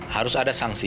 harus ada sanksi